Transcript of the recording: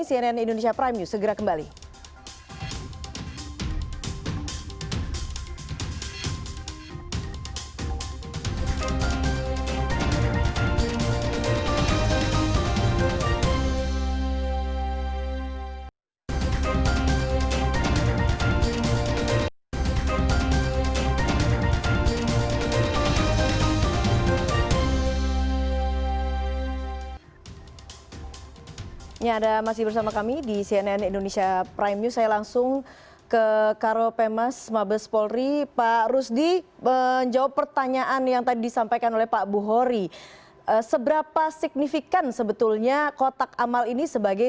cnn indonesia prime news segera kembali